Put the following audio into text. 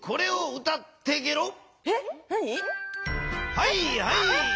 はいはい。